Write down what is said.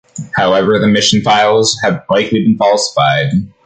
However, the mission files have likely been falsified.